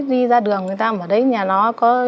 đi ra đường người ta ở đấy nhà nó có